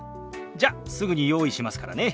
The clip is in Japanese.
じゃすぐに用意しますからね。